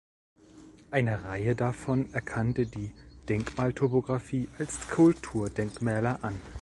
Eine Reihe davon erkannte die Denkmaltopographie als Kulturdenkmäler an.